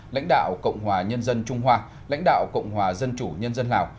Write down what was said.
lãnh đạo cộng hòa nhân dân trung hoa lãnh đạo cộng hòa dân chủ nhân dân lào